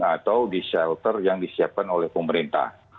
atau di shelter yang disiapkan oleh pemerintah